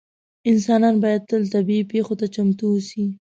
انسانان باید تل طبیعي پېښو ته چمتو اووسي.